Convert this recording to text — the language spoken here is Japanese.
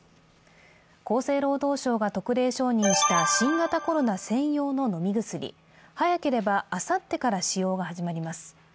厚生労働省が特例承認した新型コロナ専用の飲み薬、早ければあさってから使用が始まります。